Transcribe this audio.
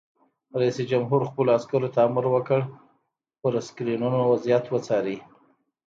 رئیس جمهور خپلو عسکرو ته امر وکړ؛ پر سکرینونو وضعیت وڅارئ!